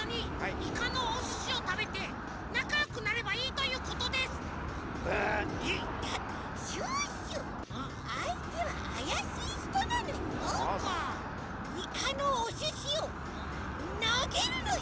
いかのおすしをなげるのよ！